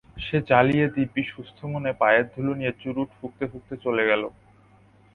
সে জ্বালিয়ে দিব্যি সুস্থ মনে পায়ের ধুলো নিয়ে চুরুট ফুঁকতে ফুঁকতে চলে গেল।